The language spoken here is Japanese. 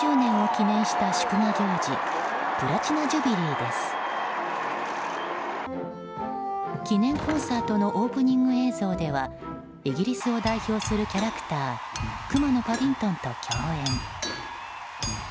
記念コンサートのオープニング映像ではイギリスを代表するキャラクターくまのパディントンと共演。